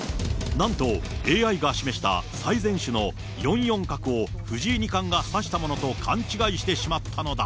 なんとＡＩが示した最善手の４四角を藤井二冠が指したものと勘違いしてしまったのだ。